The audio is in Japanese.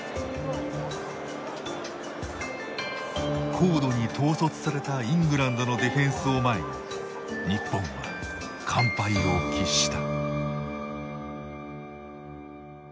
高度に統率されたイングランドのディフェンスを前に日本は完敗を喫した。